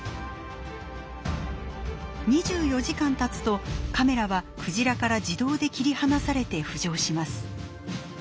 ２４時間たつとカメラはクジラから自動で切り離されて浮上します。